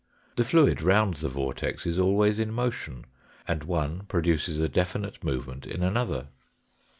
The fluid round the vortex is always in motion, and one produces a definite movement in another.